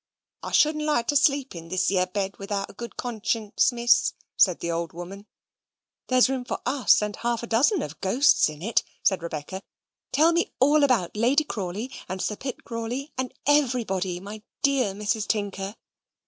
"I shouldn't like to sleep in this yeer bed without a good conscience, Miss," said the old woman. "There's room for us and a half dozen of ghosts in it," says Rebecca. "Tell me all about Lady Crawley and Sir Pitt Crawley, and everybody, my DEAR Mrs. Tinker."